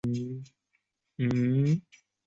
因此查图西茨战役是两军主力的一场遭遇战。